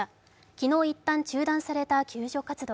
昨日、一旦中断された救助活動。